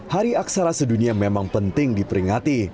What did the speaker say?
hari aksara sedunia memang penting diperingati